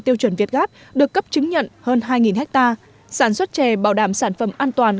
tiêu chuẩn vietgat được cấp chứng nhận hơn hai ha sản xuất chè bảo đảm sản phẩm an toàn